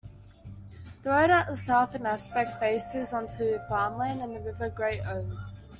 The road at the southern aspect faces onto farmland and the River Great Ouse.